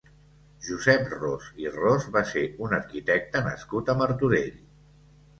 Josep Ros i Ros va ser un arquitecte nascut a Martorell.